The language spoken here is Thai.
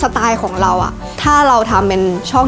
สไตล์ของเราอะถ้าเราทำเป็นช่องเกี่ยวกับความรู้